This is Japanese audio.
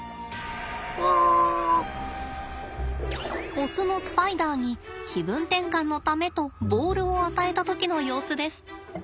オスのスパイダーに気分転換のためとボールを与えた時の様子です。